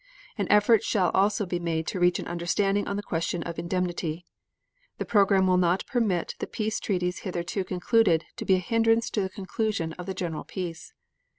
An effort shall also be made to reach an understanding on the question of indemnity. The program will not permit the peace treaties hitherto concluded to be a hindrance to the conclusion of the general peace.